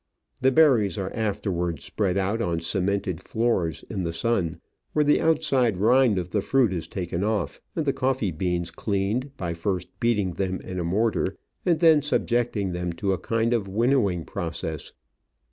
The berries are afterwards spread out on cemented floors in the sun, where the outside rind of the fruit is taken off and the coffee beans cleaned by first beating them in a mortar and then subjecting them to a kind of winnowing process.